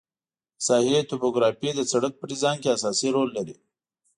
د ساحې توپوګرافي د سرک په ډیزاین کې اساسي رول لري